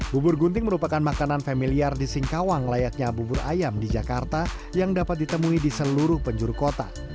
bubur gunting merupakan makanan familiar di singkawang layaknya bubur ayam di jakarta yang dapat ditemui di seluruh penjuru kota